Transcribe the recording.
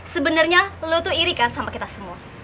sebenarnya lo tuh iri kan sama kita semua